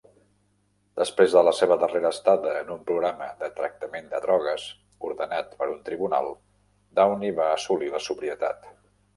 Després de la seva darrera estada en un programa de tractament de drogues ordenat pe un tribunal, Downey va assolir la sobrietat.